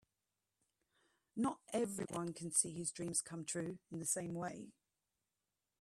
Not everyone can see his dreams come true in the same way.